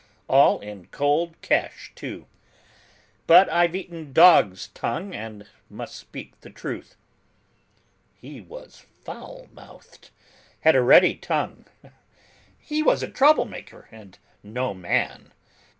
All in cold cash, too; but I've eaten dog's tongue and must speak the truth: he was foul mouthed, had a ready tongue, he was a trouble maker and no man.